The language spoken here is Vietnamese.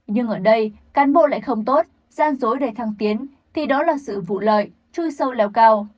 nhưng ở đây cán bộ lại không tốt gián dối đầy thăng tiến thì đó là sự vụ lợi trui sâu leo cao